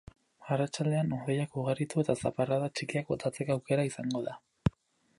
Arratsaldean, hodeiak ugaritu eta zaparrada txikiak botatzeko aukera izango da.